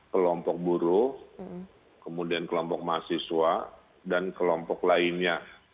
kelompok buruh kemudian kelompok mahasiswa dan kelompok lainnya